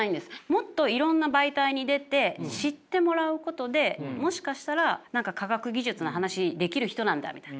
もっといろんな媒体に出て知ってもらうことでもしかしたら何か科学技術の話できる人なんだみたいな。